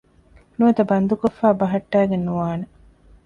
ނުވަތަ ބަންދުކޮށްފައި ބަހައްޓައިގެން ނުވާނެ